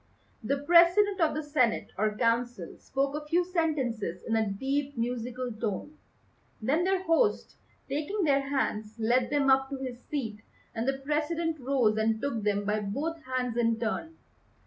The President of the Senate or Council spoke a few sentences in a deep musical tone. Then their host, taking their hands, led them up to his seat, and the President rose and took them by both hands in turn.